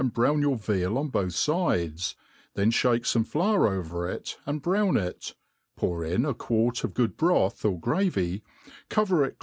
brown your veal on both fides, then (hake fome flour. overjt and brpvyn jt j pou r in a quart of good broth or gravy, cover jt